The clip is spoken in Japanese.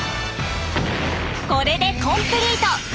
これでコンプリート！